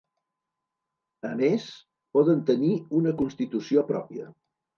A més, poden tenir una Constitució pròpia.